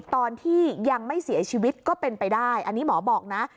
ตอนที่ยังไม่เสียชีวิตก็เป็นไปได้อันนี้หมอบอกนะ